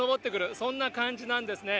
そんな感じなんですね。